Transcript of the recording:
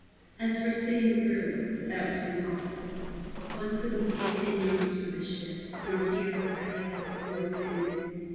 As for seeing through it, that was impossible. One couldn't see ten yards from the ship, nor hear a hail nor a signal.